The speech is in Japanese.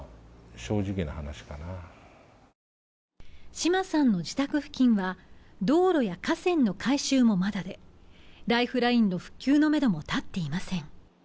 島さんの自宅付近は道路や河川の改修もまだで、ライフラインの復旧のめども立っていません。